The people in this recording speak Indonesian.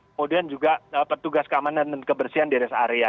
kemudian juga petugas keamanan dan kebersihan di rest area